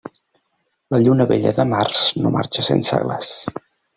La lluna vella de març no marxa sense glaç.